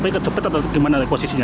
tapi kecepatan atau di mana posisinya